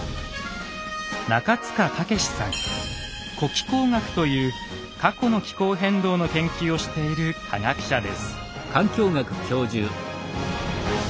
「古気候学」という過去の気候変動の研究をしている科学者です。